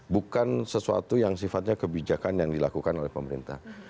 bukan sesuatu yang sifatnya kebijakan yang dilakukan oleh pemerintah